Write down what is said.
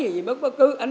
thì mới cứ